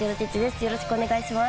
よろしくお願いします。